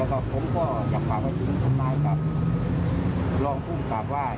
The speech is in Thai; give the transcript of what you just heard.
แล้วก็ผมก็อยากฝากไว้ทิ้งคุณนายครับรองผู้สาปว่า